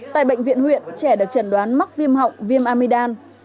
tại bệnh viện huyện trẻ được chẩn đoán mắc viêm họng viêm amidam